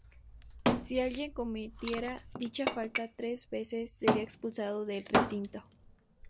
Si alguien cometiera dicha falta tres veces, sería expulsado del recinto.